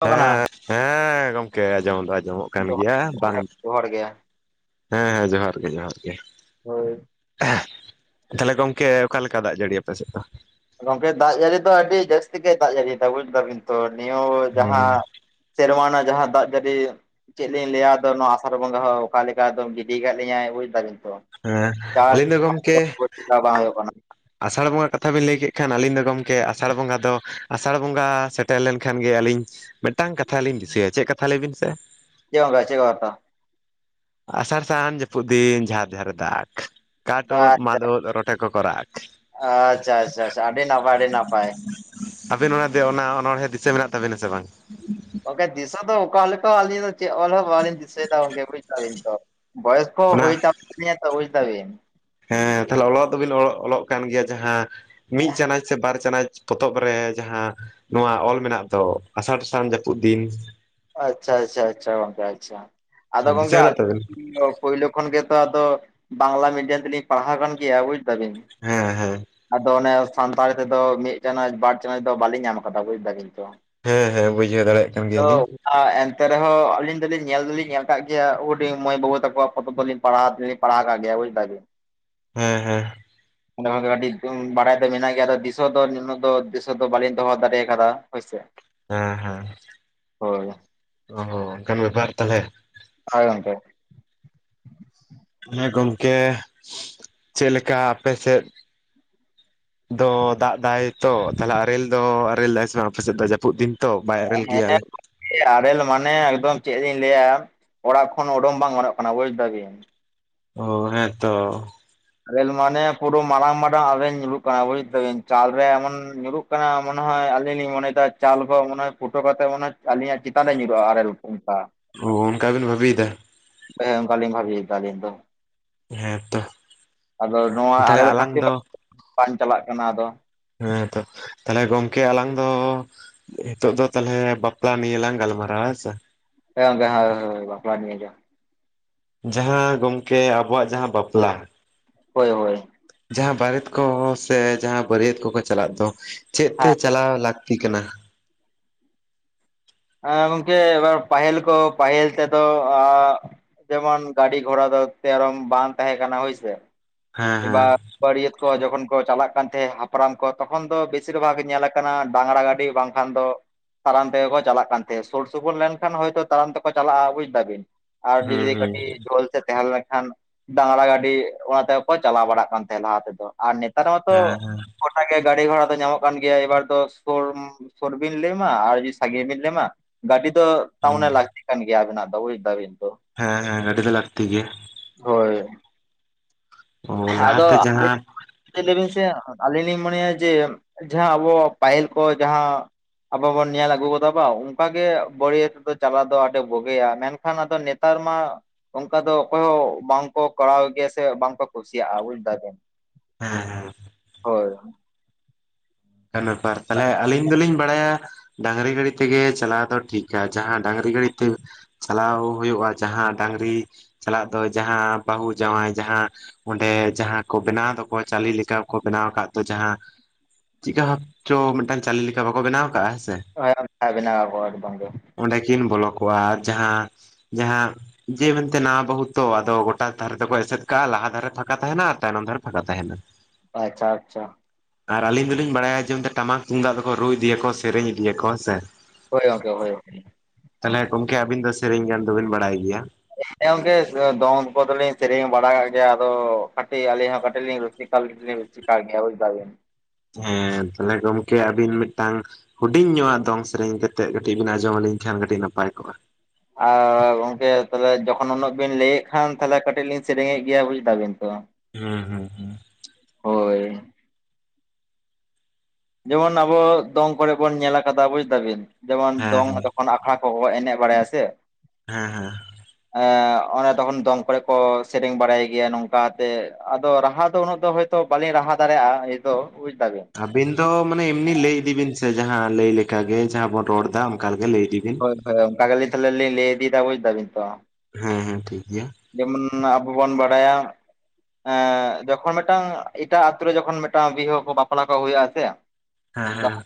ᱠᱟᱱᱟ ᱦᱮᱸ ᱦᱮᱸ ᱜᱚᱢᱠᱮ ᱟᱸᱡᱚᱢ ᱫᱚ ᱟᱸᱡᱚᱢᱚᱜ ᱠᱟᱱ ᱜᱮᱭᱟ ᱡᱚᱦᱟᱨ ᱦᱮᱸ ᱵᱟᱝ ᱡᱚᱦᱟᱨ ᱡᱚᱦᱟᱨ ᱜᱮ ᱦᱮᱸᱻ ᱡᱚᱦᱟᱨ ᱜᱮ ᱡᱚᱦᱟᱨ ᱜᱮ ᱦᱳᱭ [unintelligible] ᱛᱟᱦᱚᱞᱮ ᱜᱚᱝᱠᱮ ᱚᱠᱟ ᱞᱮᱠᱟ ᱫᱟᱜ ᱡᱟᱹᱲᱤ ᱟᱯᱮ ᱥᱮᱫ ᱫᱚᱼᱼ ᱜᱚᱝᱠᱮ ᱫᱟᱜ ᱡᱟᱹᱲᱤ ᱫᱚ ᱟᱹᱰᱤ ᱡᱟᱹᱥᱛᱤ ᱜᱮ ᱫᱟᱜ ᱡᱟᱹᱲᱤ ᱫᱟ ᱵᱩᱡ ᱫᱟᱵᱤᱱ ᱛᱚ ᱱᱤᱭᱟ ᱡᱟᱸᱦᱟ ᱦᱮᱸ ᱥᱮᱨᱢᱟ ᱨᱮᱱᱟᱜ ᱡᱟᱦᱟᱸ ᱫᱟᱜ ᱡᱟᱹᱲᱤ ᱪᱮᱫ ᱞᱤᱧ ᱞᱟᱹᱭ-ᱟ ᱟᱫᱚ ᱱᱚᱣᱟ ᱟᱥᱟᱲ ᱵᱚᱸᱜᱟ ᱦᱚᱸ ᱚᱠᱟ ᱞᱮᱠᱟ ᱠᱚ ᱜᱤᱰᱤ ᱟᱠᱟᱫ ᱞᱤᱧᱟᱭ ᱵᱩᱡ ᱫᱟᱵᱤᱱ ᱛᱚ ᱦᱮᱸ ᱪᱟᱥ ᱟᱞᱤᱧ ᱫᱚ ᱜᱚᱢᱠᱮ ᱵᱟᱝ ᱦᱩᱭᱩᱜ ᱠᱟᱱᱟ ᱟᱥᱟᱲ ᱵᱚᱸᱜᱟ ᱠᱟᱛᱷᱟ ᱵᱤᱱ ᱞᱟᱹᱭ ᱠᱮᱫ ᱠᱷᱟᱱ ᱟᱞᱤᱧ ᱫᱚ ᱜᱚᱢᱠᱮ ᱟᱥᱟᱲ ᱵᱚᱸᱜᱟ ᱫᱚ ᱟᱥᱟᱲ ᱵᱚᱸᱜᱟ [unintelligible] ᱛᱟᱦᱮᱸ ᱞᱮᱱ ᱠᱷᱟᱱ ᱜᱮ ᱟᱹᱞᱤᱧ ᱢᱤᱫᱴᱟᱝ ᱠᱟᱛᱷᱟ ᱞᱤᱧ ᱫᱤᱥᱟᱹᱭᱟ ᱪᱮᱫ ᱠᱟᱛᱷᱟ ᱞᱟᱹᱭ ᱵᱤᱱ ᱥᱮ [unintelligible] ᱟᱥᱟᱲ ᱥᱟᱱ ᱡᱟᱹᱯᱩᱫ ᱫᱤᱱ ᱡᱷᱟᱨ ᱡᱷᱟᱨ ᱮ ᱫᱟᱜᱽ ᱠᱟᱴ ᱳᱫ ᱢᱟᱫ ᱳᱫ ᱨᱚᱴᱮᱼᱼ ᱨᱚᱴᱮ ᱠᱚ ᱠᱚ ᱨᱟᱜ ᱟᱪᱪᱷᱟ ᱟᱪᱪᱷᱟ ᱟᱪᱪᱷᱟ ᱟᱹᱰᱤ ᱱᱟᱯᱟᱭ ᱟᱹᱰᱤ ᱱᱟᱯᱟᱭ ᱟᱹᱵᱤᱱ ᱚᱱᱟ ᱚᱱᱟ ᱚᱱᱚᱬᱦᱮᱸ ᱫᱤᱥᱟᱹ ᱢᱮᱱᱟᱜ ᱛᱟᱵᱤᱱᱟ ᱥᱮ ᱵᱟᱝ ᱜᱚᱝᱠᱮ ᱫᱤᱥᱟᱹ ᱫᱚ ᱚᱠᱟ ᱞᱮᱠᱟ ᱟᱹᱞᱤᱧ ᱫᱚ ᱪᱮᱫ ᱚᱞᱦᱚᱸ ᱵᱟᱞᱤᱧ ᱫᱤᱥᱟᱹᱭ ᱮᱫᱟ ᱜᱚᱝᱠᱮ ᱵᱩᱡ ᱫᱟᱵᱤᱱ ᱛᱚ [unintelligible] ᱠᱚ ᱚᱱᱟ ᱦᱩᱭ ᱠᱟᱱ ᱛᱟᱞᱤᱧᱟ ᱛᱚ ᱵᱩᱡ ᱫᱟᱵᱤᱱ ᱦᱮᱸ ᱛᱟᱦᱚᱞᱮ ᱚᱞᱚᱜ ᱫᱚᱵᱤᱱ ᱚᱞᱚᱜ ᱚᱞᱚᱜ ᱠᱟᱱ ᱜᱮᱭᱟ ᱡᱟᱦᱟᱸ ᱢᱤᱫ ᱪᱟᱱᱟᱪ ᱥᱮ ᱵᱟᱨ ᱪᱟᱱᱟᱪ ᱯᱚᱛᱚᱵ ᱨᱮ ᱡᱟᱦᱟᱸ ᱱᱚᱣᱟ ᱚᱞ ᱢᱮᱱᱟᱜ ᱫᱚ ᱟᱥᱟᱲᱥᱟᱱ ᱡᱟᱹᱯᱩᱫ ᱫᱤᱱᱼᱼ ᱟᱪᱪᱷᱟ ᱟᱪᱪᱷᱟ ᱟᱪᱪᱷᱟ ᱜᱚᱝᱠᱮ ᱟᱪᱪᱷᱟ ᱟᱫᱚ ᱫᱤᱥᱟᱹ ᱜᱚᱝᱠᱮ ᱢᱮᱱᱟᱜ ᱛᱟᱵᱮᱱ ᱟᱞᱤᱧ ᱫᱚᱼᱼ ᱯᱳᱭᱞᱳ ᱠᱷᱚᱱ ᱜᱮᱛᱚ ᱟᱫᱚ ᱵᱟᱝᱞᱟ ᱢᱤᱰᱤᱭᱟᱢ ᱛᱮᱞᱤᱧ ᱯᱟᱲᱦᱟᱣ ᱟᱠᱟᱱ ᱜᱮᱭᱟ ᱵᱩᱡ ᱫᱟᱵᱤᱱ ᱦᱮᱸ ᱦᱮᱸ ᱟᱫᱚ ᱚᱱᱮ ᱥᱟᱱᱛᱟᱲᱤ ᱛᱮᱫᱚ ᱢᱤᱫ ᱪᱟᱱᱟᱪ ᱵᱟᱨ ᱪᱟᱱᱟᱪ ᱫᱚ ᱵᱟᱞᱤᱧ ᱧᱟᱢ ᱟᱠᱟᱫᱟ ᱵᱩᱡ ᱫᱟᱵᱤᱱ ᱛᱚ ᱦᱮᱸ ᱦᱮᱸ ᱵᱩᱡᱷᱟᱹᱣ ᱫᱟᱲᱮᱭᱟᱜ ᱠᱟᱱ ᱜᱮᱭᱟᱞᱤᱧ ᱟᱨ ᱮᱱᱛᱮ ᱨᱮᱦᱚᱸ ᱟᱞᱤᱧ ᱫᱚᱞᱤᱧ ᱧᱮᱞ ᱫᱚᱞᱤᱧ ᱧᱮᱞ ᱟᱠᱟᱫ ᱜᱮᱭᱟ ᱦᱩᱰᱤᱧ ᱢᱟᱹᱭ ᱵᱟᱹᱵᱩ ᱛᱟᱠᱚᱣᱟ ᱯᱚᱛᱚᱵ ᱫᱚᱞᱤᱧᱼᱼ ᱯᱟᱲᱟᱜ ᱯᱟᱲᱦᱟᱣ ᱠᱟᱜ ᱜᱮᱭᱟ ᱵᱩᱡ ᱫᱟᱵᱤᱱ ᱦᱮᱸ ᱦᱮᱸ ᱚᱸᱰᱮ ᱠᱷᱚᱱ ᱜᱮ ᱟᱹᱰᱤᱼᱼ ᱦᱩᱸ ᱵᱟᱲᱟᱭ ᱫᱚ ᱢᱮᱱᱟᱜ ᱜᱮᱭᱟ ᱟᱫᱚ ᱫᱤᱥᱟᱹ ᱫᱚ ᱩᱱᱟᱹᱜ ᱫᱚ ᱫᱤᱥᱟᱹ ᱫᱚ ᱵᱟᱞᱤᱧ ᱫᱚᱦᱚ ᱫᱟᱲᱮ ᱟᱠᱟᱫᱟ ᱦᱳᱭ ᱥᱮ ᱦᱮᱸ ᱦᱮᱸ ᱳᱻ ᱚᱱᱠᱟᱱ ᱵᱮᱯᱟᱨ ᱛᱟᱦᱚᱞᱮ ᱦᱳᱭ ᱜᱚᱢᱠᱮ ᱦᱮᱸ ᱜᱚᱢᱠᱮ ᱪᱮᱫ ᱞᱮᱠᱟ ᱟᱯᱮ ᱥᱮᱫᱼᱼ ᱫᱚ ᱫᱟᱜ ᱫᱟᱭ ᱛᱚ ᱛᱟᱦᱚᱞᱮ ᱟᱨᱮᱞ ᱫᱚ ᱟᱨᱮᱞ ᱫᱟᱭ ᱥᱮ ᱵᱟᱝ ᱟᱯᱮ ᱥᱮᱫ ᱫᱚ ᱡᱟᱹᱯᱩᱫ ᱫᱤᱱ ᱛᱚ ᱵᱟᱭ ᱟᱨᱮᱞ ᱜᱮᱭᱟ [unintelligible] ᱟᱞᱮ ᱟᱨᱮᱞ ᱢᱟᱱᱮ ᱮᱠᱫᱚᱢ ᱪᱮᱫ ᱞᱤᱧ ᱞᱟᱹᱭᱟ ᱚᱲᱟᱜ ᱠᱷᱚᱱ ᱩᱰᱩᱠ ᱵᱟᱝ ᱜᱚᱱᱚᱜ ᱠᱟᱱᱟ ᱵᱩᱡ ᱫᱟᱵᱤᱱ ᱳᱻ ᱦᱮᱸᱛᱚ ᱟᱨᱮᱞ ᱢᱟᱱᱮ ᱯᱩᱨᱟᱹ ᱢᱟᱨᱟᱝ ᱢᱟᱨᱟᱝ ᱟᱨᱮᱞ ᱧᱩᱨᱩᱜ ᱠᱟᱱᱟ ᱵᱩᱡ ᱫᱟᱵᱤᱱ ᱪᱟᱞ ᱨᱮ ᱮᱢᱚᱱ ᱧᱩᱨᱩᱜ ᱠᱟᱱᱟ ᱢᱚᱱᱮ ᱦᱚᱭ ᱟᱹᱞᱤᱧ ᱞᱤᱧ ᱢᱚᱱᱮᱭᱫᱟ ᱪᱟᱞᱠᱳ ᱢᱚᱱᱮ ᱯᱷᱩᱴᱟᱹ ᱠᱟᱛᱮ ᱢᱚᱱᱮ ᱦᱚᱭ ᱟᱹᱞᱤᱧᱟᱜ ᱪᱮᱛᱟᱱ ᱨᱮ ᱧᱩᱨᱩᱜᱼᱟ ᱟᱨᱮᱞ ᱠᱚ ᱚᱱᱠᱟ ᱳᱻᱚᱱᱠᱟ ᱵᱤᱱ ᱵᱷᱟᱵᱤᱭ ᱮᱫᱟ? ᱦᱮᱸ ᱚᱱᱠᱟᱞᱤᱧ ᱵᱷᱟᱵᱤ ᱮᱫᱟ ᱟᱞᱤᱧ ᱫᱚ᱾ ᱦᱮᱸ ᱛᱚ ᱟᱫᱚ ᱱᱚᱣᱟ ᱛᱟᱦᱚᱞᱮ ᱟᱨᱮᱞ ᱟᱞᱟᱝ ᱠᱷᱟᱹᱛᱤᱨ ᱫᱚ ᱵᱟᱝ ᱪᱟᱞᱟᱜ ᱠᱟᱱᱟ ᱟᱫᱚ᱾ ᱦᱮᱸᱛᱚ ᱛᱟᱦᱞᱮ ᱜᱚᱝᱠᱮ ᱟᱞᱟᱝ ᱫᱚ ᱱᱤᱛᱚᱜ ᱫᱚ ᱛᱟᱦᱚᱞᱮ ᱵᱟᱯᱞᱟ ᱱᱤᱭᱟᱹᱞᱟᱝ ᱜᱟᱞᱢᱟᱨᱟᱣ-ᱟ ᱦᱮᱥᱮ? ᱦᱮ ᱜᱚᱝᱠᱮ ᱦᱳᱭ ᱦᱳᱭ ᱵᱟᱯᱞᱟ ᱱᱤᱭᱮ ᱜᱮ᱾ ᱡᱟᱦᱟᱸ ᱜᱚᱝᱠᱮ ᱟᱵᱚᱣᱟᱜ ᱡᱟᱦᱟᱸ ᱵᱟᱯᱞᱟ ᱦᱳᱭ ᱦᱳᱭ ᱡᱟᱦᱟᱸ ᱵᱟᱨᱮᱛ ᱠᱚ ᱥᱮ ᱡᱟᱦᱟᱸ ᱵᱟᱹᱨᱭᱟᱹᱛ ᱠᱚᱠᱚ ᱪᱟᱞᱟᱜ ᱫᱚ ᱪᱮᱫ ᱛᱮ ᱦᱮᱸ ᱪᱟᱞᱟᱣ ᱞᱟᱠ ᱛᱤ ᱠᱟᱱᱟ? ᱦᱮᱸ ᱜᱚᱝᱠᱮ ᱮᱵᱟᱨ ᱯᱟᱦᱤᱞ ᱠᱚ ᱯᱟᱦᱤᱞ ᱛᱮ ᱫᱚ ᱡᱮᱢᱚᱱ ᱜᱟᱹᱰᱤ ᱜᱷᱳᱲᱟ ᱫᱚ ᱛᱮᱨᱚᱢ ᱵᱟᱝ ᱛᱟᱦᱮᱸ ᱠᱟᱱᱟ ᱦᱳᱭ ᱥᱮ ᱦᱮᱸ ᱦᱮᱸ ᱠᱤᱵᱟ ᱵᱟᱹᱨᱭᱟᱹᱛ ᱠᱚ ᱡᱚᱠᱷᱚᱱ ᱠᱚ ᱪᱟᱞᱟᱜ ᱠᱟᱱ ᱛᱟᱦᱮᱸᱫ ᱦᱟᱯᱲᱟᱢ ᱠᱚ ᱛᱚᱠᱷᱚᱱ ᱫᱚ ᱵᱮᱥᱤᱨ ᱵᱷᱟᱜᱽ ᱧᱮᱞ ᱟᱠᱟᱱᱟ ᱰᱟᱝᱨᱟ ᱜᱟᱹᱰᱤ ᱵᱟᱝ ᱠᱷᱟᱱ ᱫᱚ ᱛᱟᱲᱟᱢ ᱛᱮᱜᱮ ᱠᱚ ᱪᱟᱞᱟᱜ ᱠᱟᱱ ᱛᱮ ᱥᱩᱨ ᱥᱩᱯᱩᱨᱩ ᱢᱮᱱᱠᱷᱟᱱ ᱦᱚᱭᱛᱳ ᱛᱟᱲᱟᱢ ᱛᱮᱠᱚ ᱪᱟᱞᱟᱜᱼᱟ ᱵᱩᱡ ᱫᱟᱵᱤᱱ ᱟᱨ ᱦᱩᱸ ᱡᱩᱫᱤ ᱦᱩᱸ ᱠᱟᱹᱴᱤᱡ ᱡᱷᱳᱞ ᱛᱮ ᱛᱟᱦᱮᱸ ᱞᱮᱱ ᱠᱷᱟᱱ ᱰᱟᱝᱨᱟ ᱜᱟᱹᱰᱤ ᱚᱱᱟ ᱛᱮᱜᱮ ᱠᱚ ᱪᱟᱞᱟᱣ ᱵᱟᱲᱟᱜ ᱠᱟᱱ ᱛᱟᱦᱮᱸᱫ ᱞᱟᱦᱟ ᱛᱮᱫᱚ ᱟᱨ ᱱᱮᱛᱟᱨ ᱢᱟᱛᱚ ᱦᱮᱸ ᱦᱮᱸ ᱜᱚᱴᱟ ᱜᱮ ᱜᱟᱹᱰᱤ ᱜᱷᱚᱲᱟ ᱫᱚ ᱧᱟᱢᱚᱜ ᱠᱟᱱ ᱜᱮᱭᱟ ᱮᱵᱟᱨ ᱫᱚ ᱥᱩᱨ ᱥᱩᱨ ᱵᱤᱱ ᱞᱟᱹᱭ ᱢᱟ ᱟᱨ ᱥᱟᱸᱜᱤᱧ ᱵᱤᱱ [unintelligible] ᱢᱟ ᱜᱟᱹᱰᱤ ᱫᱚ ᱛᱟᱨᱢᱟᱱᱮ ᱦᱮᱸ ᱞᱟᱠᱛᱤ ᱠᱟᱱ ᱜᱮᱭᱟ ᱟᱵᱤᱱᱟᱜ ᱫᱚ ᱵᱩᱡᱽ ᱫᱟ ᱵᱤᱱ ᱛᱚ᱾ ᱦᱮᱸ ᱦᱮᱸ ᱜᱟᱹᱰᱤ ᱫᱚ ᱞᱟᱹᱠᱛᱤ ᱜᱮᱭᱟ᱾ ᱦᱳᱭ ᱚ ᱦᱮᱸ ᱟᱫᱚ ᱞᱟᱦᱟᱛᱮ ᱡᱟᱦᱟᱸ [unintelligible] ᱪᱮᱫ ᱞᱟᱹᱭ ᱵᱤᱱ ᱥᱮ ᱟᱹᱞᱤᱧ ᱞᱤᱧ ᱢᱚᱱᱮᱭᱟ ᱡᱮ ᱡᱟᱦᱟᱸ ᱟᱵᱚᱣᱟᱜ ᱯᱟᱹᱦᱤᱞ ᱠᱚ ᱡᱟᱦᱟᱸ ᱟᱵᱚ ᱵᱚᱱ ᱧᱮᱞ ᱟᱹᱜᱩ ᱠᱟᱫᱟ ᱵᱟ ᱚᱱᱠᱟ ᱜᱮ ᱵᱟᱹᱲᱭᱟᱹᱛ ᱫᱚ ᱪᱟᱞᱟᱜ ᱫᱚ ᱟᱹᱰᱤ ᱵᱩᱜᱤᱭᱟ ᱢᱮᱱᱠᱷᱟᱱ ᱟᱫᱚ ᱱᱮᱛᱟᱨ ᱱᱮᱛᱟᱨ ᱢᱟ ᱚᱱᱠᱟ ᱫᱚ ᱚᱠᱚᱭ ᱦᱚᱸ ᱵᱟᱝ ᱠᱚ ᱠᱚᱨᱟᱣ ᱜᱮᱭᱟ ᱥᱮ ᱵᱟᱝ ᱠᱚ ᱠᱷᱥᱤᱭᱟᱜᱼᱟ ᱵᱩᱡᱽ ᱫᱟᱵᱮᱱ᱾ ᱦᱮᱸ ᱦᱮᱸ ᱦᱳᱭ ᱦᱳᱭ ᱚᱱᱠᱟᱱ ᱵᱮᱯᱟᱨ ᱛᱟᱦᱚᱞᱮ ᱟᱹᱞᱤᱧ ᱫᱚᱞᱤᱧ ᱵᱟᱲᱟᱭᱟ ᱰᱟᱹᱝᱨᱤ ᱜᱟᱹᱰᱤ ᱛᱮᱜᱮ ᱪᱟᱞᱟᱣ ᱫᱚ ᱴᱷᱤᱠ-ᱟ ᱡᱟᱦᱟᱸ ᱰᱟᱝᱨᱤ ᱜᱟᱹᱰᱤ ᱛᱮ ᱪᱟᱞᱟᱣ ᱦᱩᱭᱩᱜᱼᱟ ᱡᱟᱦᱟᱸ ᱰᱟᱝᱨᱤ ᱥᱟᱞᱟᱜ ᱫᱚ ᱡᱟᱦᱟᱸ ᱵᱟᱹᱦᱩ ᱡᱟᱶᱟᱸᱭ ᱡᱟᱦᱟᱸ ᱚᱸᱰᱮ ᱡᱟᱦᱟᱸ ᱠᱚ ᱵᱮᱱᱟᱣ ᱫᱚᱠᱚ ᱪᱟᱞᱤ ᱞᱮᱠᱟ ᱠᱚ ᱵᱮᱱᱟᱣ ᱟᱠᱟᱫ ᱫᱚ ᱡᱟᱦᱟᱸ ᱪᱤᱫᱠᱟ ᱵᱷᱟᱵ ᱪᱚ ᱢᱤᱫᱴᱟᱝ ᱪᱟᱹᱞᱤ ᱞᱮᱠᱟ ᱵᱟᱠᱚ ᱵᱮᱱᱟᱣ ᱟᱠᱟᱜᱼᱟ ᱦᱮᱸ ᱥᱮ᱾ ᱦᱮᱸ ᱜᱚᱝᱠᱮ ᱵᱮᱱᱟ ᱟᱠᱚ ᱮᱠᱫᱚᱢ ᱜᱮ᱾ ᱚᱸᱰᱮ ᱠᱤᱱ ᱵᱚᱞᱚ ᱠᱚᱜᱼᱟ ᱡᱟᱦᱟᱸ ᱡᱟᱦᱟᱸ ᱡᱮ ᱢᱮᱱᱛᱮ ᱱᱟᱣᱟ ᱵᱟᱹᱦᱩ ᱛᱚ ᱟᱫᱚ ᱜᱚᱴᱟ ᱫᱷᱟᱨᱮ ᱛᱮᱠᱚ ᱮᱥᱮᱫ ᱠᱟᱜᱼᱟ ᱞᱟᱦᱟ ᱫᱷᱟᱨᱮ ᱯᱷᱟᱸᱠᱟ ᱛᱟᱦᱮᱸᱱᱟ ᱟᱨ ᱛᱟᱭᱱᱚᱢ ᱫᱷᱟᱨᱮ ᱯᱷᱟᱸᱠᱟ ᱛᱟᱦᱮᱱᱟ᱾ ᱟᱪᱪᱷᱟ ᱟᱪᱪᱷᱟ ᱟᱨ ᱟᱹᱞᱤᱧ ᱫᱚᱞᱤᱧ ᱵᱟᱲᱟᱭᱟ ᱡᱮ ᱢᱮᱱᱛᱮ ᱴᱟᱢᱟᱠ ᱛᱩᱢᱫᱟᱜ ᱫᱚᱠᱚ ᱨᱩ ᱤᱫᱤᱭᱟᱠᱚ ᱥᱮᱨᱮᱧ ᱤᱫᱤᱭᱟᱠᱚ ᱦᱮᱸᱥᱮ᱾ ᱦᱳᱭ ᱜᱚᱝᱠᱮ ᱦᱳᱭ ᱦᱳᱭ᱾ ᱛᱟᱦᱚᱞᱮ ᱜᱚᱝᱠᱮ ᱟᱵᱤᱱ ᱫᱚ ᱥᱮᱨᱮᱧ ᱜᱟᱱ ᱫᱚᱵᱤᱱ ᱵᱟᱲᱟᱭ ᱜᱮᱭᱟ? ᱦᱮᱸ ᱜᱚᱝᱠᱮ ᱫᱚᱝ ᱠᱚᱫᱚᱞᱤᱧ ᱥᱮᱨᱮᱧ ᱵᱟᱲᱟᱭᱮᱫ ᱜᱮᱭᱟ ᱟᱫᱚ ᱠᱟᱹᱴᱤᱡ ᱟᱹᱞᱤᱧ ᱦᱚᱸ ᱠᱟᱹᱴᱤᱡ ᱞᱤᱧ [unintelligible] ᱜᱮᱭᱟ ᱵᱩᱡᱽ ᱫᱟᱵᱤᱱ᱾ ᱦᱮᱸ ᱛᱟᱦᱚᱞᱮ ᱜᱚᱢᱠᱮ ᱟᱹᱵᱤᱱ ᱢᱤᱫᱴᱟᱹᱝ ᱦᱩᱰᱤᱧ ᱧᱚᱜᱼᱟᱜ ᱫᱚᱝ ᱥᱮᱨᱮᱧ ᱠᱟᱛᱮᱜ ᱠᱟᱹᱴᱤᱡ ᱵᱮᱱ ᱟᱸᱡᱚᱢ ᱟᱹᱞᱤᱧ ᱠᱷᱟᱱ ᱠᱟᱹᱴᱤᱡ ᱱᱟᱯᱟᱭ ᱠᱚᱜᱼᱟ᱾ ᱟᱨ ᱜᱚᱝᱠᱮ ᱛᱟᱦᱚᱞᱮ ᱡᱚᱠᱷᱚᱱ ᱩᱱᱟᱹᱜ ᱵᱤᱱ ᱞᱟᱹᱭᱮᱫ ᱠᱷᱟᱱ ᱛᱟᱦᱚᱞᱮ ᱠᱟᱹᱴᱤᱡ ᱞᱤᱧ ᱥᱮᱨᱮᱧᱮᱫ ᱜᱮᱭᱟ ᱵᱩᱡᱽ ᱫᱟ ᱵᱤᱱ᱾ ᱦᱩᱸ ᱦᱩᱸ ᱦᱩᱸ ᱦᱳᱭ ᱡᱮᱢᱚᱱ ᱟᱵᱚ ᱫᱚᱝ ᱠᱚᱨᱮ ᱵᱚᱱ ᱧᱮᱞ ᱟᱠᱟᱫᱟ ᱵᱩᱡ ᱫᱟᱵᱤᱱ ᱡᱮᱢᱚᱱ ᱦᱮᱸ ᱫᱚᱝ ᱦᱮᱸ ᱡᱚᱠᱷᱚᱱ ᱟᱠᱷᱲᱟᱼᱼ ᱠᱚ ᱮᱱᱮᱡ ᱵᱟᱲᱟᱭᱟ ᱥᱮ ᱦᱮᱸ ᱦᱮᱸ ᱮ ᱚᱱᱮ ᱛᱚᱠᱷᱚᱱ ᱫᱚᱝ ᱠᱚᱨᱮ ᱠᱚ ᱥᱮᱨᱮᱧ ᱵᱟᱲᱟᱭ ᱜᱮᱭᱟ ᱱᱚᱝᱠᱟᱛᱮ ᱟᱫᱚ ᱨᱟᱦᱟ ᱫᱚ ᱩᱱᱟᱹᱜ ᱫᱚ ᱦᱚᱭᱛᱚᱼᱼ ᱛᱚ ᱵᱟᱹᱞᱤᱧ ᱨᱟᱦᱟ ᱫᱟᱲᱮᱭᱟᱜᱼᱟ ᱮ ᱫᱚ ᱵᱩᱡᱽ ᱫᱟ ᱵᱤᱱ ᱟᱵᱤᱱ ᱫᱚ ᱢᱟᱱᱮ ᱮᱢᱱᱤ ᱞᱟᱹᱭ ᱤᱫᱤ ᱵᱤᱱ ᱥᱮ ᱡᱟᱦᱟᱸ ᱞᱟᱹᱭ ᱞᱮᱠᱟ ᱜᱮ ᱡᱟᱦᱟᱸ ᱵᱚᱱ ᱨᱚᱲ ᱮᱫᱟ ᱚᱱᱠᱟᱜᱮ ᱞᱟᱹᱭ ᱤᱫᱤ ᱵᱤᱱ ᱦᱚᱭ ᱚᱱᱠᱟ ᱜᱮ ᱛᱟᱦᱚᱞᱮ ᱞᱤᱧ ᱞᱟᱹᱭ ᱤᱫᱤᱭᱮᱫᱟ ᱵᱩᱡᱽ ᱫᱟ ᱵᱤᱱ ᱛᱚ ᱦᱮᱸ ᱦᱮᱸ ᱴᱷᱤᱠ ᱜᱮᱭᱟ ᱡᱮᱢᱚᱱ ᱟᱵᱚ ᱵᱚᱱ ᱵᱟᱰᱟᱭᱟ ᱮᱸ ᱡᱚᱠᱷᱚᱱ ᱢᱤᱫᱴᱟᱝ ᱮᱴᱟᱜ ᱟᱹᱛᱩᱨᱮ ᱡᱚᱠᱷᱚᱱ ᱢᱤᱫᱴᱟᱝ ᱵᱤᱦᱟᱹ ᱠᱚ ᱵᱟᱯᱞᱟ ᱠᱚ ᱦᱩᱭᱩᱜᱼᱟ ᱥᱮᱼᱼ ᱦᱮᱸ ᱦᱮᱸ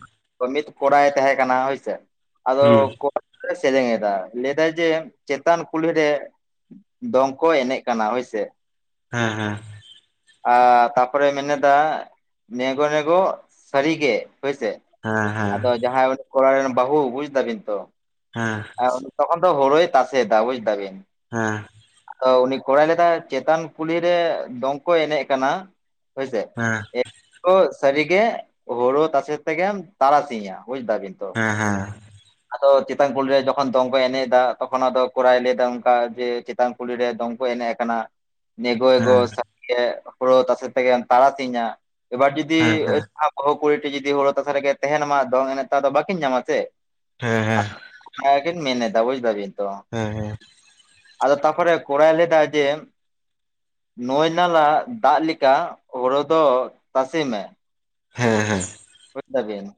ᱢᱤᱫ ᱠᱚᱲᱟᱭ ᱛᱟᱦᱮᱸ ᱠᱟᱱᱟᱭ ᱦᱳᱭᱥᱮ ᱟᱫᱚ ᱦᱩᱸ ᱠᱚᱼᱼ ᱥᱮᱨᱮᱧᱮᱫᱟ ᱞᱟᱹᱭᱫᱟᱭ ᱡᱮ ᱪᱮᱛᱟᱱ ᱠᱩᱞᱦᱤᱨᱮᱼᱼ ᱫᱚᱝᱠᱚ ᱮᱱᱮᱡ ᱠᱟᱱᱟ ᱦᱳᱭᱥᱮ ᱦᱮᱸ ᱦᱮᱸ ᱟᱸ ᱛᱟᱯᱚᱨᱮ ᱢᱮᱱᱮᱫᱟ ᱱᱮᱜᱚ ᱱᱮᱜᱚ ᱥᱟᱹᱨᱤ ᱜᱮ ᱦᱚᱭ ᱥᱮ ᱦᱮᱸ ᱦᱮᱸ ᱦᱮᱸ ᱦᱮᱸ ᱦᱮᱸ ᱦᱮᱸ ᱦᱮᱸ ᱦᱮᱸ ᱦᱮᱸ ᱦᱮᱸ ᱦᱮᱸ ᱦᱮᱸ ᱦᱮᱸ ᱦᱮᱸ ᱦᱮᱸ ᱦᱮᱸ ᱦᱮᱸ ᱟᱫᱚ ᱡᱟᱦᱟᱸᱭ ᱩᱱᱤ ᱠᱚᱲᱟ ᱨᱮᱱ ᱵᱟᱹᱦᱩ ᱵᱩᱡ ᱫᱟᱵᱤᱱ ᱛᱚ ᱦᱮᱸ ᱛᱠᱷᱚᱱ ᱛᱚ ᱦᱳᱲᱩᱭ ᱛᱟᱥᱮ ᱫᱟ ᱵᱩᱡ ᱫᱟᱵᱤᱱ ᱦᱮᱸ ᱩᱱᱤ ᱠᱚᱲᱟᱭ ᱞᱮᱫᱟ ᱪᱮᱛᱟᱱ ᱠᱩᱞᱦᱤᱨᱮ ᱫᱚᱝᱠᱚᱭ ᱮᱱᱮᱡ ᱠᱟᱱᱟ ᱦᱚᱭ ᱥᱮ ᱚᱹ ᱥᱟᱹᱨᱤᱜᱮ ᱦᱩᱲᱩ ᱛᱟᱥᱮ ᱛᱮᱜᱮᱢ ᱛᱟᱨᱟᱥᱤᱧᱟ ᱵᱩᱡ ᱫᱟ ᱵᱤᱱ ᱛᱚ ᱮᱻᱦᱮ ᱟᱫᱚ ᱪᱮᱛᱟᱱ ᱠᱩᱞ ᱨᱮ ᱡᱚᱠᱷᱚᱱ ᱫᱚᱝ ᱠᱚᱭ ᱮᱱᱮᱡ ᱮᱟ ᱛᱚᱠᱷᱚᱱ ᱟᱫᱚ ᱠᱚᱨᱟᱭ ᱞᱟᱹᱭ ᱫᱟ ᱚᱱᱠᱟ ᱡᱮ ᱪᱮᱛᱟᱱ ᱠᱩᱞᱤᱨᱮ ᱫᱚᱝ ᱠᱚ ᱮᱱᱮᱡ ᱠᱟᱱᱟ ᱮᱜᱳ ᱮᱜᱳ ᱥᱟᱨᱤ‌ ᱜᱮ ᱦᱩᱲᱳ ᱛᱟᱥᱮ ᱛᱮᱜᱮᱢ ᱛᱟᱨᱟ ᱥᱤᱧᱟ ᱮᱵᱟᱨ ᱡᱩᱫᱤ ᱵᱟᱹᱦᱩ ᱠᱩᱲᱤᱴᱤ ᱡᱩᱫᱤ ᱦᱩᱲᱩ ᱛᱟᱥᱟ ᱨᱮᱜᱮ ᱛᱟᱦᱮ ᱢᱟ ᱫᱚᱝ ᱮᱱᱮᱛ ᱫᱚ ᱵᱟᱹᱠᱤᱱ ᱧᱟᱢᱟ ᱥᱮ ᱦᱮᱸ ᱦᱮᱸ ᱚᱱᱟ ᱜᱮᱠᱤᱱ ᱢᱮᱱ ᱫᱟ ᱵᱩᱡ ᱫᱟᱵᱤᱱ ᱛᱚ ᱦᱮᱸ ᱦᱮᱸ ᱟᱫᱚ ᱛᱟᱨᱯᱚᱨᱮ ᱠᱚᱨᱟᱣ ᱞᱮᱫᱟ ᱡᱮ ᱱᱟᱭᱱᱟᱞᱟ ᱫᱟᱜ ᱞᱮᱠᱟ ᱦᱚᱲᱳ ᱫᱚ ᱛᱟᱥᱮ ᱢᱮ ᱦᱮᱸ ᱦᱮᱸ ᱵᱩᱡᱽ ᱫᱟᱵᱤᱱ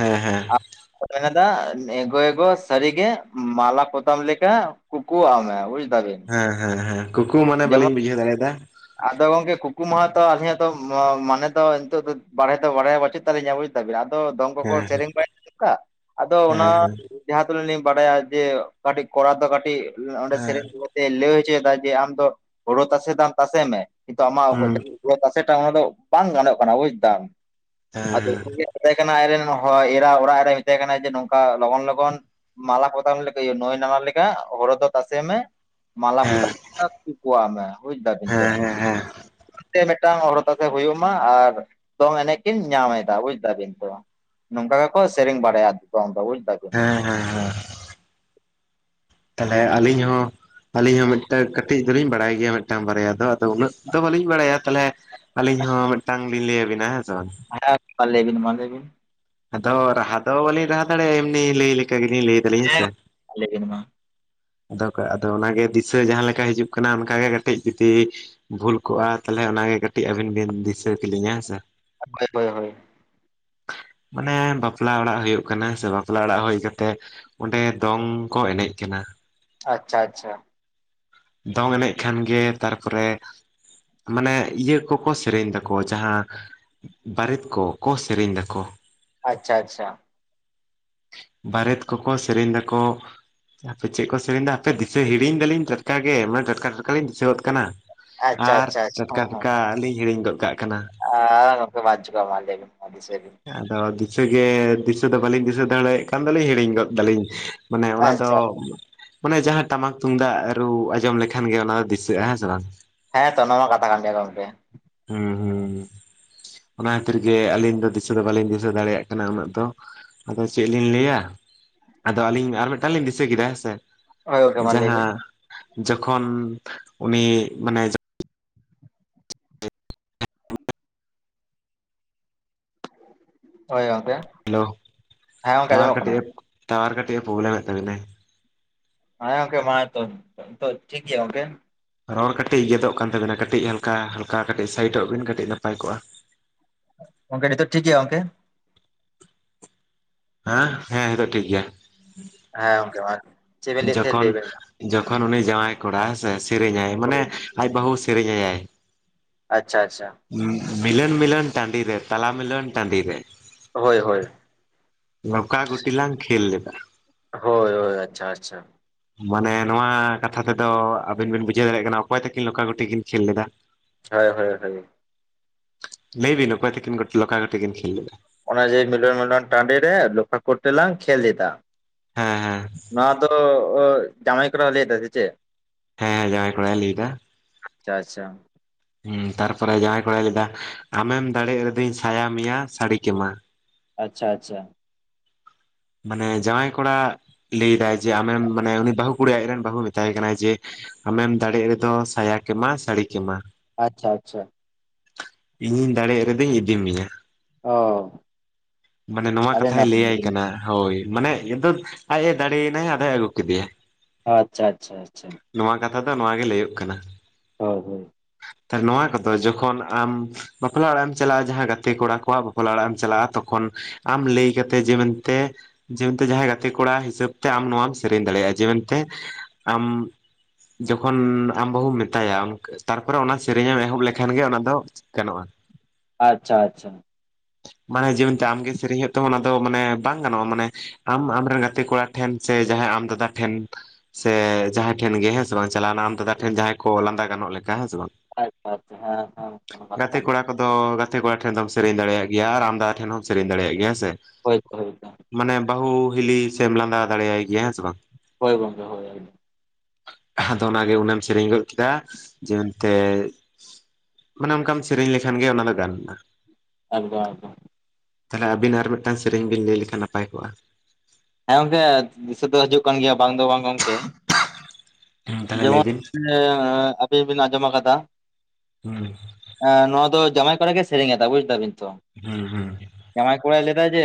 ᱦᱮᱸ ᱦᱮᱸ ᱟᱨ ᱢᱮᱱᱮᱫᱟ ᱮᱜᱳ ᱮᱜᱳ ᱥᱟᱹᱨᱤᱜᱮ ᱢᱟᱞᱟ ᱯᱚᱛᱟᱢ ᱞᱮᱠᱟ ᱠᱩᱠᱩᱣᱟᱜ ᱢᱮ ᱵᱩᱡ ᱫᱟᱵᱤᱱ ᱦᱮᱸ ᱦᱮᱸ ᱦᱮᱸ ᱠᱩᱠᱩ ᱢᱟᱱᱮ ᱡᱮᱢᱚᱱ ᱵᱟᱹᱞᱤᱧ ᱵᱩᱡᱷᱟᱹᱣ ᱫᱟᱲᱮᱭᱟᱫᱟ ᱟᱫᱚ ᱜᱚᱢᱠᱮ ᱠᱩᱠᱩ ᱢᱟᱱᱮ ᱛᱚ ᱟᱞᱤᱧ ᱛᱚ ᱢᱟᱱᱮ ᱫᱚ ᱱᱤᱛᱚᱜ ᱫᱚ ᱵᱟᱲᱟᱭ ᱫᱚ ᱵᱟᱲᱟᱭ ᱯᱟᱪᱩᱫ ᱛᱟᱞᱤᱧᱟ ᱟᱫᱚ ᱫᱚᱝ ᱠᱚᱠᱚ ᱦᱮᱸ ᱥᱮᱨᱮᱧ ᱠᱟᱜ ᱟᱫᱚ ᱚᱱᱟ ᱦᱮᱸ ᱡᱟᱦᱟᱸ ᱛᱩᱞᱩᱡ ᱞᱤᱧ ᱵᱟᱰᱟᱭᱟ ᱡᱮ ᱠᱟᱹᱴᱤᱡ ᱠᱚᱲᱟ ᱫᱚ ᱠᱟᱹᱴᱤᱡ ᱚᱸᱰᱮ ᱦᱮᱸ ᱥᱮᱨᱮᱧ ᱛᱮ ᱞᱟᱹᱭ ᱦᱚᱪᱚᱭᱮᱫᱟ ᱡᱮ ᱦᱩᱲᱩ ᱛᱟᱥᱮᱫᱟᱢ ᱛᱟᱥᱮ ᱢᱮ ᱠᱤᱱᱛᱩ ᱟᱜ ᱦᱩᱸ ᱦᱩᱲᱩ ᱥᱮᱴᱟ ᱚᱱᱟ ᱫᱚ ᱵᱟᱝ ᱜᱟᱱᱚᱜ ᱠᱟᱱᱟ ᱵᱩᱡᱽᱫᱟᱢ ᱟᱫᱚ ᱦᱮᱸ ᱢᱮᱛᱟᱭ ᱠᱟᱱᱟ ᱟᱡᱨᱮᱱ ᱦᱚᱲ ᱮᱨᱟ ᱚᱲᱟᱜ ᱨᱮᱭ ᱢᱮᱛᱟᱭ ᱠᱟᱱᱟ ᱡᱮ ᱱᱚᱝᱠᱟ ᱞᱚᱜᱚᱱ ᱞᱚᱜᱚᱱ ᱢᱟᱞᱟ ᱯᱚᱛᱟᱢ ᱞᱮᱠᱟ ᱤᱭᱟᱹ ᱱᱟᱸᱭ ᱱᱟᱞᱟ ᱞᱮᱠᱟ ᱦᱳᱲᱳ ᱫᱚ ᱛᱟᱥᱮ ᱢᱮ ᱦᱮᱸ ᱢᱟᱞᱟ ᱯᱚᱛᱟᱢ ᱦᱮᱸ ᱠᱩᱠᱩᱣᱟᱜ ᱢᱮ ᱵᱩᱡᱫᱟᱵᱤᱱ ᱛᱚ, ᱦᱮᱸ ᱦᱮᱸ [unintelligible] ᱢᱤᱫᱴᱟᱝ ᱦᱚᱨᱦᱚᱛᱟᱥᱮ ᱦᱩᱭᱩᱜ ᱢᱟ ᱟᱨ ᱫᱚᱝ ᱮᱱᱮᱡ ᱠᱤᱱ ᱧᱟᱢ ᱮᱫᱟ ᱵᱩᱡ ᱫᱟᱵᱤᱱ ᱛᱚ᱾ ᱱᱚᱝᱠᱟ ᱜᱮᱠᱚ ᱥᱮᱨᱮᱧ ᱵᱟᱲᱟᱭᱟ ᱟᱢ ᱫᱚ ᱵᱩᱡ ᱫᱟᱵᱤᱱ᱾ ᱦᱮᱸ ᱦᱮᱸ ᱦᱮᱸ ᱦᱮᱸ᱾ ᱛᱟᱦᱚᱞᱮ ᱟᱹᱞᱤᱧ ᱦᱚᱸ ᱟᱹᱞᱤᱧ ᱦᱚᱸ ᱢᱤᱫᱴᱮᱱ ᱠᱟᱹᱴᱤᱡ ᱫᱚ ᱞᱤᱧ ᱵᱟᱲᱟᱭ ᱜᱮᱭᱟ ᱢᱤᱫᱴᱟᱝ ᱵᱟᱨᱭᱟ ᱫᱚ ᱟᱫᱚ ᱩᱱᱟᱹᱜ ᱫᱚ ᱵᱟᱹᱞᱤᱧ ᱵᱟᱲᱟᱭᱟ ᱛᱟᱦᱚᱞᱮ ᱟᱞᱤᱧ ᱦᱚᱸ ᱢᱤᱫᱴᱟᱝ ᱵᱤᱱ ᱞᱮᱭᱟ ᱵᱤᱱᱟ ᱟᱵᱤᱱ ᱦᱮᱸ ᱥᱮ ᱵᱟᱝ? ᱦᱮᱸ ᱢᱟ ᱞᱟᱹᱭᱵᱤᱱ ᱢᱟ ᱞᱮᱭᱵᱤᱱ᱾ ᱟᱫᱚ ᱨᱟᱦᱟ ᱫᱚ ᱵᱟᱹᱞᱤᱧ ᱨᱟᱦᱟ ᱫᱟᱲᱮᱭᱟᱜᱼᱟ ᱮᱢᱱᱤ ᱞᱟᱹᱭ ᱞᱮᱠᱟ ᱜᱮᱞᱤᱧ ᱞᱟᱹᱭ ᱫᱟᱞᱤᱧ ᱦᱮᱸᱥᱮ᱾ ᱞᱮ ᱵᱤᱱ ᱢᱟ᱾ ᱟᱫᱚ ᱠᱟ ᱟᱫᱚ ᱚᱱᱟᱜᱮ ᱫᱤᱥᱟᱹ ᱡᱟᱦᱟᱸ ᱞᱮᱠᱟ ᱦᱤᱡᱩᱜ ᱠᱟᱱᱟ ᱚᱱᱠᱟᱜᱮ ᱠᱟᱹᱴᱤᱡ ᱡᱩᱫᱤ ᱵᱷᱩᱞ ᱠᱚᱜᱼᱟ ᱛᱟᱦᱚᱞᱮ ᱚᱱᱟᱜᱮ ᱠᱟᱹᱴᱤᱡ ᱟᱹᱵᱤᱱ ᱵᱤᱱ ᱫᱤᱥᱟᱹ ᱠᱮᱞᱤᱧᱟ ᱦᱮᱸᱥᱮ᱾ [unintelligible] ᱦᱳᱭ ᱦᱳᱭ ᱦᱳᱭ᱾ ᱢᱟᱱᱮ ᱵᱟᱯᱞᱟ ᱚᱲᱟᱜ ᱦᱩᱭᱩᱜ ᱠᱟᱱᱟ ᱥᱮ ᱵᱟᱯᱞᱟ ᱚᱲᱟᱜ ᱦᱩᱭ ᱠᱟᱛᱮ ᱚᱸᱰᱮ ᱫᱚᱝ ᱠᱚ ᱮᱱᱮᱡ ᱠᱟᱱᱟ᱾ ᱟᱪᱪᱷᱟ ᱟᱪᱪᱷᱟ᱾ ᱫᱚᱝ ᱮᱱᱮᱡ ᱠᱷᱟᱱᱜᱮ ᱛᱟᱨᱯᱚᱨᱮ ᱢᱟᱱᱮ ᱤᱭᱟᱹ ᱠᱚᱠᱚ ᱥᱮᱨᱮᱧ ᱫᱟᱠᱚ ᱡᱟᱦᱟᱸ ᱵᱟᱨᱮᱛ ᱠᱚ ᱠᱚ ᱥᱮᱨᱮᱧ ᱫᱟᱠᱚ ᱟᱪᱪᱷᱟ ᱟᱪᱪᱷᱟ᱾ [inaudible] ᱵᱟᱨᱮᱛ ᱠᱚᱠᱚ ᱥᱮᱨᱮᱧ ᱫᱟᱠᱚ, ᱦᱟᱯᱮ ᱪᱮᱫ ᱠᱚ ᱥᱮᱨᱮᱧ ᱫᱟ ᱦᱟᱯᱮ ᱫᱤᱥᱟᱹ ᱦᱤᱲᱤᱧ ᱫᱟᱞᱤᱧ ᱪᱮᱫ ᱠᱟ ᱜᱮ ᱢᱟᱱᱮ ᱴᱟᱴᱠᱟ ᱴᱟᱴᱠᱟ ᱞᱤᱧ ᱫᱤᱥᱟᱹᱣ ᱜᱚᱫ ᱠᱟᱱᱟ, ᱟᱪᱪᱷᱟ ᱟᱨ ᱟᱪᱪᱷᱟ ᱟᱪᱪᱷᱟ ᱴᱟᱴᱠᱟ ᱦᱚᱸ ᱦᱚᱸ ᱴᱟᱴᱠᱟ ᱟᱞᱤᱧ ᱦᱤᱲᱤᱧ ᱜᱚᱫ ᱠᱟᱜ ᱠᱟᱱᱟ᱾ ᱟᱨ ᱚᱱᱠᱟ ᱵᱟᱝ ᱪᱤᱠᱹᱟ ᱢᱟ ᱞᱹᱭ ᱵᱤᱱ ᱢᱟ ᱫᱤᱥᱟᱹᱭ ᱵᱤᱱ᱾ ᱟᱫᱚ ᱫᱤᱥᱟᱹᱜᱮ ᱫᱤᱥᱟᱹ ᱫᱚ ᱵᱟᱹᱞᱤᱧ ᱫᱤᱥᱟᱹ ᱫᱟᱲᱮᱭᱟᱜ ᱠᱟᱱ ᱫᱟ ᱞᱤᱧ ᱦᱤᱲᱤᱧ ᱜᱚᱫ ᱫᱟᱹᱞᱤᱧ᱾ ᱢᱟᱱᱮ ᱚᱱᱟ ᱫᱚ ᱟᱪᱪᱷᱟ ᱢᱟᱱᱮ ᱡᱟᱦᱟᱸ ᱴᱟᱢᱟᱠ ᱛᱩᱢᱫᱟᱜ ᱨᱩ ᱟᱸᱡᱚᱢ ᱞᱮᱠᱷᱟᱱ ᱜᱮ ᱚᱱᱟ ᱫᱚ ᱫᱤᱥᱟᱹᱜᱼᱟ ᱦᱮᱸᱥᱮ ᱵᱟᱝ? ᱦᱮᱸᱛᱚ ᱚᱱᱟ ᱢᱟ ᱠᱟᱛᱷᱟ ᱠᱟᱱ ᱜᱮᱭᱟ ᱜᱚᱢᱠᱮ᱾ ᱦᱩᱸ ᱦᱩᱸ᱾ ᱚᱱᱟ ᱠᱷᱟᱹᱛᱤᱨ ᱜᱮ ᱟᱹᱞᱤᱧ ᱫᱚ ᱫᱤᱥᱟᱹ ᱫᱚ ᱵᱟᱹᱞᱤᱧ ᱫᱤᱥᱟᱹ ᱫᱟᱲᱮᱭᱟᱜ ᱠᱟᱱᱟ ᱩᱱᱟᱹᱜ ᱫᱚ᱾ ᱟᱫᱚ ᱪᱮᱜ ᱞᱤᱧ ᱞᱟᱹᱭᱟ ᱟᱫᱚ ᱟᱹᱞᱤᱧ ᱟᱨ ᱢᱤᱫᱴᱟᱝ ᱞᱤᱧ ᱫᱤᱥᱟᱹ ᱠᱮᱫᱟ ᱦᱮᱸᱥᱮ ᱦᱳᱭ ᱜᱚᱢᱠᱮ ᱢᱟ ᱞᱟᱹᱭ ᱵᱤᱱ᱾ ᱡᱟᱦᱟᱸ ᱡᱚᱠᱷᱚᱱ ᱩᱱᱤ ᱢᱟᱱᱮ ᱡᱚ ᱦᱳᱭ ᱜᱚᱫᱠᱮ᱾ ᱦᱮᱞᱳ ᱴᱟᱣᱟᱨ ᱠᱟᱹᱴᱤᱡ ᱮ ᱴᱟᱣᱟᱨ ᱠᱟᱹᱴᱤᱡ ᱮ ᱯᱨᱳᱚᱵᱞᱮᱢ ᱮᱫ ᱛᱟᱵᱤᱱᱟᱭ᱾ ᱦᱮᱸ ᱜᱚᱝᱠᱮ ᱢᱟ ᱱᱤᱛᱳᱜ ᱱᱤᱛᱳᱜ ᱴᱷᱤᱠ ᱜᱮᱭᱟ ᱜᱚᱝᱠᱮ? ᱨᱚᱲ ᱠᱟᱹᱴᱤᱡ ᱜᱮᱫᱚᱜ ᱠᱟᱱ ᱛᱟᱵᱤᱱᱟ ᱠᱟᱹᱴᱤᱡ ᱦᱟᱞᱠᱟ ᱦᱟᱞᱠᱟ ᱠᱟᱴᱤᱡ ᱥᱟᱭᱤᱰᱚᱜ ᱵᱤᱱ ᱠᱟᱹᱴᱤᱡ ᱱᱟᱯᱟᱭ ᱠᱚᱜᱼᱟ᱾ ᱜᱚᱝᱜᱮ ᱱᱤᱛᱚᱜ ᱴᱷᱤᱠ ᱜᱮᱭᱟ ᱜᱚᱝᱠᱮ? ᱦᱮᱸ ᱦᱮᱸ ᱱᱤᱛᱹᱜ ᱴᱷᱤᱠ ᱜᱮᱭᱟ᱾ ᱦᱮᱸ ᱜᱚᱢᱠᱮ [unintelligible] ᱡᱚᱠᱷᱚᱱ ᱡᱚᱠᱷᱚᱱ ᱩᱱᱤ ᱡᱟᱶᱟᱭ ᱠᱚᱲᱟᱭ ᱦᱮᱸᱥᱮ ᱥᱮᱨᱮᱧᱟᱭ ᱢᱟᱱᱮ ᱟᱡ ᱵᱟᱹᱦᱩᱭ ᱥᱮᱨᱮᱧ ᱟᱭᱟᱭ, ᱟᱪᱪᱷᱟ ᱟᱪᱪᱷᱟ᱾ ᱦᱩᱸ ᱢᱤᱞᱚᱱ ᱢᱤᱞᱚᱱ ᱴᱟᱺᱰᱤ ᱨᱮ ᱛᱟᱞᱟ ᱢᱤᱞᱚᱱ ᱴᱟᱺᱰᱤ ᱨᱮ, ᱦᱳᱭ ᱦᱳᱭ, ᱞᱚᱠᱟ ᱜᱩᱴᱤᱞᱟᱝ ᱠᱷᱮᱞ ᱞᱮᱫᱟ, ᱦᱳᱭ ᱦᱳᱭ ᱟᱪᱪᱷᱟ ᱟᱪᱪᱷᱟ, ᱢᱟᱱᱮ ᱱᱚᱣᱟ ᱠᱟᱛᱷᱟ ᱛᱮᱫᱚ ᱟᱹᱵᱤᱱ ᱵᱤᱱ ᱵᱩᱡᱷᱟᱹᱣ ᱫᱟᱲᱮᱭᱟᱜ ᱠᱟᱱᱟ ᱚᱠᱚᱭ ᱛᱟᱠᱤᱱ ᱞᱳᱠᱟ ᱜᱩᱴᱤ ᱠᱤᱱ ᱠᱷᱮᱞ ᱞᱮᱫᱟ, [unintelligible] ᱦᱳᱭ ᱦᱳᱭ ᱦᱳᱭ, ᱞᱮᱭ ᱵᱤᱱ ᱚᱠᱚᱭ ᱛᱟᱠᱤᱱ ᱞᱚᱠᱟ ᱜᱚᱴᱤ ᱠᱤᱱ ᱠᱷᱮᱞ ᱞᱮᱫᱟ, ᱚᱱᱟ ᱡᱮ ᱢᱤᱞᱚᱱ ᱢᱤᱞᱚᱱ ᱴᱟᱺᱰᱤ ᱨᱮ ᱞᱚᱠᱷᱟ ᱠᱚᱴᱤ ᱞᱟᱝ ᱠᱷᱮᱞ ᱞᱮᱫᱟ, ᱦᱮᱸ ᱦᱮᱸ ᱱᱚᱣᱟ ᱫᱚ ᱡᱟᱶᱟᱭ ᱠᱚᱲᱟ ᱞᱟᱹᱭ ᱫᱟ ᱥᱮ ᱪᱮᱫ, ᱦᱮᱸ ᱦᱮᱸ ᱡᱟᱶᱟᱭ ᱠᱚᱲᱟᱭ ᱞᱟᱹᱭ ᱮᱫᱟ, ᱟᱪᱪᱷᱟ ᱟᱪᱪᱷᱟ, ᱦᱮᱸ ᱛᱟᱨᱯᱚᱨᱮ ᱡᱟᱶᱟᱭ ᱠᱚᱲᱟᱭ ᱞᱟᱹᱭᱫᱟ ᱟᱢᱮᱢ ᱫᱟᱲᱮᱜ ᱨᱮᱫᱚᱩᱧ ᱥᱟᱭᱟ ᱢᱮᱭᱟ ᱥᱟᱹᱲᱤ ᱠᱮᱢᱟ, ᱟᱪᱪᱷᱟ ᱟᱪᱪᱷᱟ, ᱢᱟᱱᱮ ᱡᱟᱶᱟᱭ ᱠᱚᱲᱟ ᱞᱟᱹᱭᱫᱟᱭ ᱡᱮ ᱟᱢᱮᱢ ᱢᱟᱱᱮ ᱩᱱᱤ ᱵᱟᱹᱦᱩ ᱠᱩᱲᱤ ᱟᱡᱨᱮᱱ ᱵᱟᱹᱦᱩ ᱢᱮᱛᱟᱭ ᱠᱟᱱᱟᱭ ᱡᱮ, ᱟᱢᱮᱢ ᱫᱟᱲᱮᱜ ᱨᱮᱫᱚ ᱥᱟᱭᱟ ᱠᱮᱢᱟ ᱥᱟᱹᱲᱤ ᱠᱮᱢᱟ, ᱟᱪᱪᱷᱟ ᱟᱪᱪᱷᱟ, ᱤᱧᱤᱧ ᱫᱟᱲᱮᱜ ᱨᱮᱫᱩᱧ ᱤᱫᱤ ᱢᱮᱭᱟ, ᱚ ᱢᱟᱱᱮ ᱱᱚᱣᱟ ᱟᱹᱰᱤ ᱠᱟᱛᱷᱟᱭ ᱱᱟᱯᱟᱭ ᱞᱟᱹᱭᱟᱭ ᱟᱹᱰᱤ ᱠᱟᱱᱟ, ᱱᱟᱯᱟᱭ ᱦᱳᱭ ᱢᱟᱱᱮ ᱡᱩᱫᱟᱹᱫ ᱟᱡ ᱮ ᱫᱟᱹᱲᱮᱭ ᱱᱟᱭ ᱟᱫᱚᱭ ᱟᱹᱜᱩ ᱠᱤᱫᱤᱭᱟ ᱚ- ᱟᱪᱪᱷᱟ ᱟᱪᱪᱷᱟ ᱟᱪᱪᱷᱟ, ᱱᱚᱣᱟ ᱠᱟᱛᱷᱟ ᱫᱚ ᱱᱚᱣᱟ ᱜᱮ ᱞᱟᱹᱭᱳᱹᱜ ᱠᱟᱱᱟ, ᱦᱳᱭ ᱦᱳᱭ, ᱛᱟᱦᱞᱮ ᱱᱚᱣᱟ ᱠᱚᱫᱚ ᱡᱚᱠᱷᱚᱱ ᱟᱢ, ᱵᱟᱯᱞᱟ ᱚᱲᱟᱜ ᱮᱢ ᱪᱟᱞᱟᱜᱼᱟ ᱡᱟᱦᱟᱸ ᱜᱟᱛᱮ ᱠᱚᱲᱟ ᱠᱚᱣᱟᱜ ᱵᱟᱯᱞᱟ ᱚᱲᱟᱜ ᱮᱢ ᱪᱟᱞᱟᱜᱼᱟ ᱛᱚᱠᱷᱚᱱ ᱟᱢ ᱞᱟᱹᱭ ᱠᱟᱛᱮ ᱡᱮᱢ, ᱛᱮ ᱡᱮᱦᱮᱸᱛᱩ ᱡᱟᱦᱟᱸᱭ ᱜᱟᱛᱮ ᱠᱚᱲᱟ ᱦᱤᱥᱟᱹᱵ ᱛᱮ ᱟᱢ ᱱᱚᱣᱟᱢ ᱥᱮᱨᱮᱧ ᱫᱟᱲᱮᱭᱟᱜᱼᱟ ᱡᱮᱢᱚᱱᱛᱮ, ᱟᱢ, ᱡᱚᱠᱷᱚᱱ ᱟᱢ ᱵᱟᱹᱦᱩᱢ ᱢᱮᱛᱟᱭᱟ ᱛᱟᱨᱯᱚᱨᱮ ᱚᱱᱟ ᱥᱮᱨᱮᱧ ᱮᱢ ᱮᱦᱚᱵ ᱞᱮᱠᱷᱟᱱ ᱜᱮ ᱚᱱᱟ ᱫᱚ, ᱜᱟᱱᱚᱜᱼᱟ, ᱟᱪᱪᱷᱟ ᱟᱪᱪᱷᱟ, ᱵᱟᱝ-ᱟ ᱡᱮᱦᱮᱛᱩ ᱟᱢᱜᱮ ᱠᱤᱨᱤᱧ ᱦᱩᱭᱩᱜ ᱛᱟᱢᱟ ᱚᱱᱟ ᱫᱚ ᱢᱟᱱᱮ, ᱵᱟᱝ ᱜᱟᱱᱚᱜᱼᱟ ᱢᱟᱱᱮ ᱟᱢ ᱟᱢᱨᱮᱱ ᱜᱟᱛᱮ ᱠᱚᱲᱟ ᱴᱷᱮᱱ ᱥᱮ ᱡᱟᱦᱟᱸᱭ ᱟᱢ ᱫᱟᱫᱟ ᱴᱷᱮᱱ, ᱥᱮ ᱡᱟᱦᱟᱸᱭ ᱴᱷᱮᱱ ᱜᱮ ᱦᱮᱸ ᱥᱮ ᱵᱟᱝ ᱪᱟᱞᱟᱣᱱᱟ ᱟᱢ ᱫᱟᱫᱟ ᱴᱷᱮᱱ ᱡᱟᱦᱟᱸᱭ ᱠᱚ ᱞᱟᱸᱫᱟ ᱜᱟᱱᱚᱜ ᱞᱮᱠᱟ ᱦᱮᱸ ᱥᱮ ᱵᱟᱝ, ᱟᱪᱪᱷᱟ ᱟᱪᱪᱷᱟ ᱦᱮᱸ ᱦᱮᱸ ᱠᱟᱛᱷᱟ ᱠᱟᱱᱟ, ᱟᱫᱚ ᱜᱟᱛᱮ ᱠᱚᱲᱟ ᱴᱷᱮᱱ ᱫᱚᱚᱢ ᱥᱮᱨᱮᱧ ᱫᱟᱲᱮᱭᱟᱜ ᱜᱮᱭᱟ ᱟᱢᱫᱟ ᱴᱷᱮᱱ ᱦᱚᱸᱢ ᱥᱮᱨᱮᱧ ᱫᱟᱲᱮᱭᱟᱜ ᱜᱮᱭᱟ ᱦᱮᱸ ᱥᱮ, ᱦᱳᱭᱛᱳ [inaudible] ᱢᱟᱱᱮ ᱵᱟᱹᱦᱩ ᱦᱤᱞᱤ ᱥᱮᱢ ᱞᱟᱸᱫᱟ ᱫᱟᱲᱮᱭᱟᱭ ᱜᱮᱭᱟ ᱦᱮᱸ ᱥᱮ ᱵᱟᱝ, ᱦᱳᱭ ᱜᱚᱢᱠᱮ ᱦᱚᱭ ᱦᱚᱭ, ᱟᱫᱚ ᱚᱱᱟᱜᱮ ᱚᱱᱟᱢ ᱥᱮᱨᱮᱧ ᱜᱚᱫ ᱠᱮᱫᱟ ᱡᱮ ᱢᱮᱱᱛᱮ, ᱢᱟᱱᱮ ᱚᱱᱠᱟᱢ ᱥᱮᱨᱮᱧ ᱞᱮᱠᱷᱟᱱ ᱜᱮ ᱚᱱᱟ ᱫᱚ ᱜᱟᱱ ᱮᱱᱟ, ᱮᱠᱫᱚᱢ ᱮᱠᱫᱚᱢ, ᱛᱟᱦᱞᱮ ᱟᱵᱤᱱ ᱟᱨ ᱢᱤᱫᱴᱟᱱ ᱥᱮᱨᱮᱧ ᱵᱤᱱ ᱞᱟᱹᱭ ᱞᱮᱠᱷᱟᱱ ᱱᱟᱯᱟᱭ ᱠᱚᱜᱼᱟ, ᱦᱮᱸ ᱜᱚᱝᱠᱮ ᱫᱤᱥᱟᱹ ᱫᱚ ᱦᱤᱡᱩᱜ ᱠᱟᱱ ᱜᱮᱭᱟ ᱵᱟᱝ ᱫᱚ ᱵᱟᱝ ᱜᱚᱝᱠᱮ, ᱛᱟᱦᱞᱮ ᱞᱟᱹᱭ ᱵᱤᱱ, ᱮᱸ ᱟᱵᱤᱱ ᱵᱤᱱ ᱟᱸᱡᱚᱢ ᱟᱠᱟᱫᱟ, ᱦᱩᱸ ᱦᱩᱸ᱾ ᱮ ᱱᱚᱣᱟ ᱫᱚ ᱡᱟᱢᱟᱭ ᱠᱚᱲᱟ ᱜᱮ ᱥᱮᱨᱮᱧ ᱮᱫᱟ ᱵᱩᱡ ᱫᱟᱵᱤᱱ ᱛᱚ᱾ ᱦᱩᱸ ᱦᱩᱸ᱾ ᱡᱟᱣᱟᱸᱭ ᱠᱚᱲᱟᱭ ᱞᱟᱹᱭᱟᱫᱟ ᱡᱮ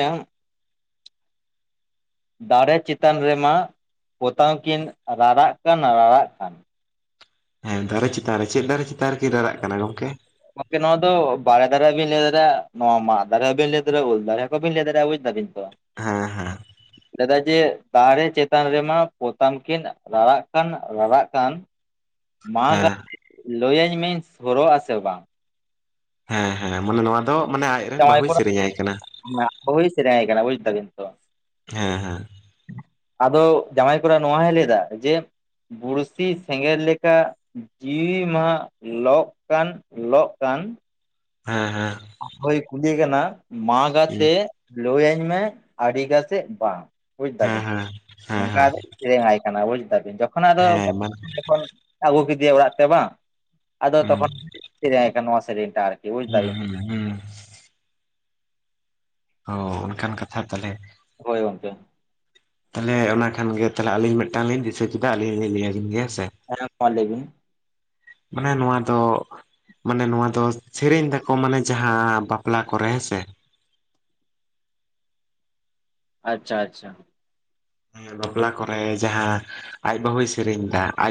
ᱫᱟᱲᱮ ᱪᱮᱛᱟᱱ ᱨᱮᱢᱟ ᱯᱚᱛᱟᱢ ᱠᱤᱱ ᱨᱟᱨᱟᱜ ᱠᱟᱱ ᱱᱟ ᱨᱟᱨᱟᱜ ᱠᱟᱱ᱾ ᱦᱮᱸ ᱫᱟᱨᱮ ᱪᱮᱛᱟᱱ ᱨᱮ ᱪᱮᱫ ᱫᱟᱨᱮ ᱪᱮᱛᱟᱱ ᱨᱮᱠᱤᱱ ᱨᱟᱨᱟᱜ ᱠᱟᱱᱟ ᱜᱚᱝᱠᱮ? ᱜᱚᱝᱠᱮ ᱱᱚᱣᱟ ᱫᱚ ᱵᱟᱲᱮ ᱫᱟᱨᱮ ᱦᱚᱸ ᱵᱤᱱ ᱞᱟᱹᱭ ᱫᱟᱲᱮᱜᱼᱟ, ᱱᱚᱣᱟ ᱢᱟᱜ ᱫᱟᱨᱮ ᱦᱚᱸ ᱵᱤᱱ ᱞᱟᱹᱭ ᱫᱟᱲᱮᱜᱼᱟ ᱩᱞ ᱫᱟᱨᱮ ᱦᱚᱸ ᱠᱚ ᱵᱤᱱ ᱞᱟᱹᱭ ᱫᱟᱲᱮᱜᱼᱟ, ᱵᱩᱡᱽ ᱫᱟᱵᱤᱱ ᱛᱚ᱾ ᱦᱮᱸ ᱦᱮᱸ᱾ ᱞᱮᱫᱟᱭ ᱡᱮ ᱫᱟᱨᱮ ᱪᱮᱛᱟᱱ ᱨᱮᱢᱟ ᱯᱚᱛᱟᱢ ᱠᱤᱱ ᱨᱟᱨᱟᱜ ᱠᱟᱱ ᱨᱟᱨᱟᱜ ᱠᱟᱱ᱾ ᱢᱟ ᱜᱟ ᱦᱮᱸ ᱞᱟᱹᱭᱟᱹᱧ ᱢᱤᱧ ᱥᱳᱨᱚᱜ-ᱟ ᱥᱮ ᱵᱟᱝ? ᱦᱮᱸ ᱦᱮᱸ ᱢᱟᱱᱮ ᱱᱚᱣᱟ ᱫᱚ ᱢᱟᱱᱮ ᱟᱡᱨᱮᱱ ᱵᱟᱹᱦᱩᱭ ᱥᱮᱨᱮᱧ ᱟᱭ ᱠᱟᱱᱟ᱾ ᱢᱟᱱᱮ ᱟᱡ ᱵᱟᱹᱦᱩᱭ ᱥᱮᱨᱮᱧ-ᱟᱭ ᱠᱟᱱᱟ, ᱵᱚᱡᱽ ᱫᱟᱵᱤᱱ ᱛᱚ? ᱦᱮᱸ ᱦᱮᱸ᱾ ᱟᱫᱚ ᱡᱟᱶᱟᱭ ᱠᱚᱲᱟ ᱱᱚᱣᱟ ᱦᱚᱸᱭ ᱞᱟᱹᱭᱫᱟ ᱡᱮ ᱵᱩᱲᱥᱤ ᱥᱮᱸᱜᱮᱞ ᱞᱮᱠᱟ ᱡᱤᱣᱤ ᱢᱟ ᱞᱚᱜ ᱠᱟᱱ ᱞᱚᱜ ᱠᱟᱱ᱾ ᱦᱮᱸ ᱦᱮᱸ᱾ ᱟᱡ ᱵᱟᱹᱦᱩᱭ ᱠᱩᱞᱤᱭᱮ ᱠᱟᱱᱟ ᱢᱟ ᱦᱮᱸ ᱜᱟᱛᱮ ᱞᱟᱹᱭᱟᱹᱧ ᱢᱮ ᱟᱹᱰᱤᱜᱟᱛᱮᱫ ᱵᱟᱝ᱾ ᱵᱩᱡᱽ ᱦᱮᱸ ᱫᱟᱵᱤᱧ? ᱦᱮᱸ ᱦᱮᱸ ᱦᱮᱸ ᱦᱮᱸ ᱱᱚᱝᱠᱟ ᱦᱮᱸ ᱟᱫᱚᱭ ᱥᱮᱨᱮᱧᱟᱭ ᱠᱟᱱᱟ᱾ ᱵᱩᱡᱽ ᱫᱟᱵᱤᱱ? ᱡᱚᱠᱷᱚᱱ ᱟᱫᱚ ᱦᱮᱸ ᱦᱮᱸ ᱢᱟᱱ [inaudible] ᱟᱹᱜᱩ ᱠᱮᱫᱮᱭᱟ ᱚᱲᱟᱜ ᱛᱮ ᱵᱟᱝ, ᱟᱫᱚ ᱦᱩᱸ ᱛᱚᱠᱷᱚᱱ, ᱥᱮᱨᱮᱧ ᱟᱭ ᱠᱟᱱᱟ ᱱᱚᱣᱟ ᱥᱮᱨᱮᱧ ᱴᱟᱜ ᱟᱨᱠᱤ᱾ ᱵᱩᱡ ᱦᱩᱸ ᱫᱟᱵᱤᱱ ᱦᱩᱸ ᱦᱩᱸ᱾ ᱚ ᱚᱱᱠᱟᱱ ᱠᱟᱛᱷᱟ ᱛᱟᱞᱦᱮ᱾ ᱦᱳᱭ ᱜᱚᱝᱠᱮ᱾ ᱛᱟᱞᱦᱮ ᱚᱱᱟ ᱠᱷᱟᱱ ᱜᱮ ᱛᱟᱞᱦᱮ ᱟᱹᱞᱤᱧ ᱢᱤᱫᱴᱟᱝ ᱞᱤᱧ ᱫᱤᱥᱟᱹ ᱠᱮᱫᱟ ᱟᱹᱞᱤᱧ ᱞᱤᱧ ᱞᱟᱹᱭ ᱟᱹᱵᱤᱧ ᱜᱮ, ᱦᱮᱸ ᱥᱮ? ᱦᱮᱸ ᱢᱟ ᱞᱟᱹᱭ ᱵᱤᱱ᱾ ᱢᱟᱱᱮ ᱱᱚᱣᱟ ᱫᱚ ᱢᱟᱱᱮ ᱱᱚᱣᱟ ᱫᱚ ᱥᱮᱨᱮᱧ ᱫᱟᱠᱚ ᱢᱟᱱᱮ ᱡᱟᱦᱟᱸ ᱵᱟᱯᱞᱟ ᱠᱚᱨᱮ, ᱦᱮᱸ ᱥᱮ? ᱟᱪᱪᱷᱟ ᱟᱪᱪᱷᱟ᱾ ᱚᱱᱮ ᱵᱟᱯᱞᱟ ᱠᱚᱨᱮ ᱡᱟᱦᱟᱸ ᱟᱡ ᱵᱟᱹᱦᱩᱭ ᱥᱮᱨᱮᱧ ᱫᱟ, ᱟᱡ